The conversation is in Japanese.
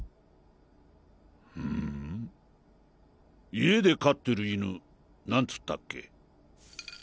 家で飼ってる犬何つったっけ？